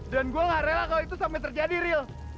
dan gua gak rela kalo itu sampe terjadi ril